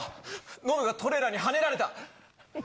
ノブがトレーラーにはねられた！